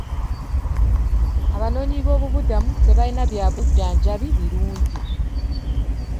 Abanoonyiboobubudamu tebalina bya bujjanjabi birungi.